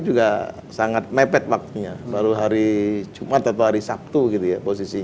belum sebenarnya posisi saya baru tahu persis dua jam sebelum serah terima dengan pak ahok